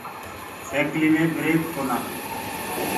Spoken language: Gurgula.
سيڪلي مي بِرڪ ڪونآ تو۔